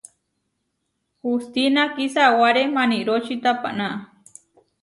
Hustína kisáware maniróči tapaná.